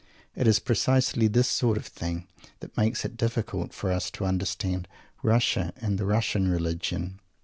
It is precisely this sort of thing that makes it difficult for us to understand Russia and the Russian religion.